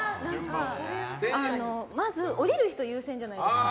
まず降りる人優先じゃないですか。